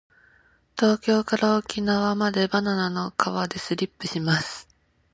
東京から沖縄までバナナの皮でスリップします。